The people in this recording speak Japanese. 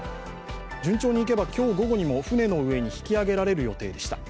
順調にいけば今日午後にも、船の上に引き揚げられる予定でした。